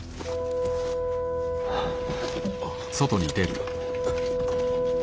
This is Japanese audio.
ああ。